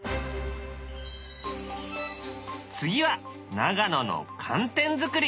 次は長野の寒天作り。